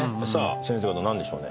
先生方何でしょうね？